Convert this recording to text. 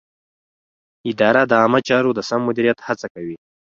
اداره د عامه چارو د سم مدیریت هڅه کوي.